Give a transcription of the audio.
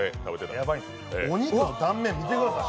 お肉の断面、見てください